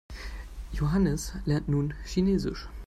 Johannes lernt nun Chinesisch.